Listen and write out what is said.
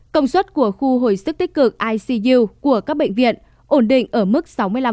công suất của khu hồi sức tích cực icu của các bệnh viện ổn định ở mức sáu mươi năm